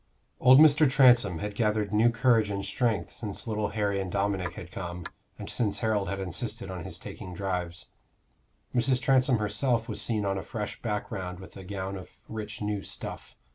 Old Mr. Transome had gathered new courage and strength since little Harry and Dominic had come, and since Harold had insisted on his taking drives. Mrs. Transome herself was seen on a fresh background with a gown of rich new stuff.